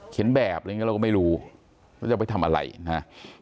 เขียนแบบเลยเราก็ไม่รู้ว่าจะไปทำอะไรนะ